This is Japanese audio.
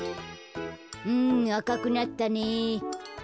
うんあかくなったね。